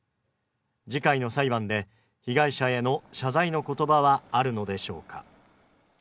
次回の裁判で被害者への謝罪の言葉はあるのでしょうか。